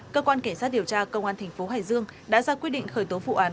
cơ quan kẻ sát điều tra công an tp hải dương đã ra quyết định khởi tố vụ án